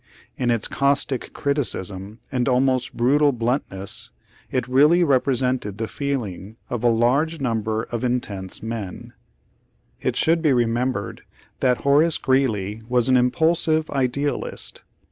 In its caustic criticism and almost brutal blunt Page Seventy nine ness, it really represented the feeling of a large number of intense men. It should be remembered that Horace Greeley was an impulsive idealist.